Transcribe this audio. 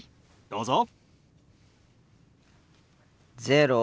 どうぞ。